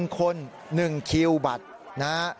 ๑คน๑คิวบัตรนะฮะ